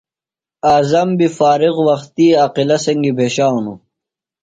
اعظم بیۡ فارغ وختیۡ عاقلہ سنگیۡ بھیشانوۡ۔